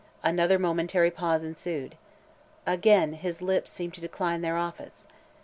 Another momentary pause ensued. Again his lips seemed to decline their office.